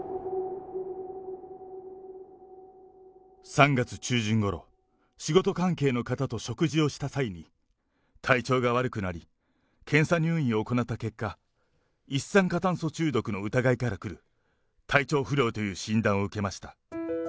３月中旬ごろ、仕事関係の方と食事をした際に、体調が悪くなり、検査入院を行った結果、一酸化炭素中毒の疑いからくる体調不良という診断を受けました。